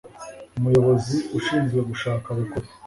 Umuyobozi ushinzwe gushaka abakozi